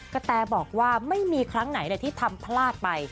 แตบอกว่าไม่มีครั้งไหนเลยที่ทำพลาดไป